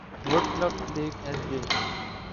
would cliff Lake اینجے